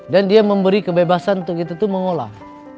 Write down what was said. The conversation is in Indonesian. dan dia memberi kebebasan untuk kita itu mengolah